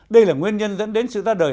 đây là nguyên nhân dẫn đến sự ra đời